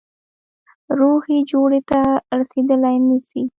روغي جوړي ته رسېدلای نه سي.